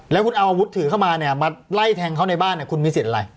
แล้วคุณเอาอาวุธถือเข้ามาเนี่ยมาไล่แทงเขาในบ้านคุณมีสิทธิ์อะไร